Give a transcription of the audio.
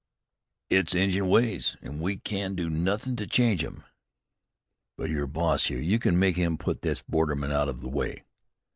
"It's Injun ways, an' we can't do nothin' to change 'em." "But you're boss here. You could make him put this borderman out of the way."